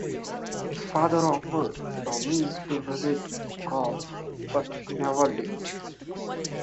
His father often promised to visit or call, but he never did.